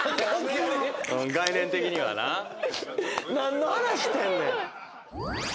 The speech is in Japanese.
概念的にはな。何の話してんねん。